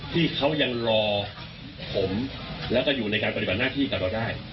ที่เขายังรอผมแล้วก็อยู่ในการปฏิบัติหน้าที่กับเราได้